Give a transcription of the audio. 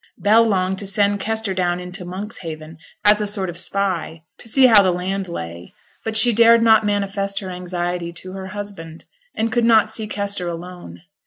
Bell longed to send Kester down into Monkshaven as a sort of spy to see how the land lay; but she dared not manifest her anxiety to her husband, and could not see Kester alone.